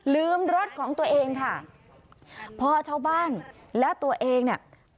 รถของตัวเองค่ะพอชาวบ้านและตัวเองเนี่ย